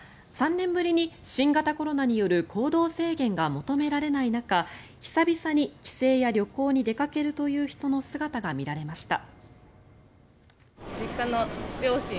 ３年ぶりに新型コロナによる行動制限が求められない中久々に帰省や旅行に出かけるという人の姿が見られました。